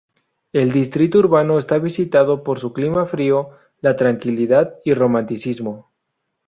El distrito urbano es visitado por su clima frío, la tranquilidad y romanticismo.